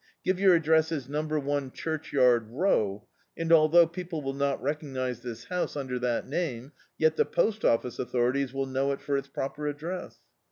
Give your address as number one Churchyard Row, and, although peo ple will not recc^ise this house under that name, yet the post office authorities will know it for its proper address."